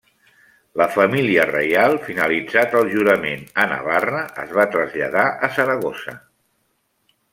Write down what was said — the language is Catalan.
La família reial, finalitzat el jurament a Navarra es va traslladar a Saragossa.